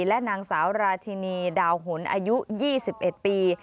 และนางสาวราชินีดาวหนอายุ๒๑ปี